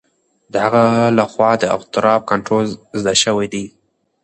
د هغه لخوا د اضطراب کنټرول زده شوی دی.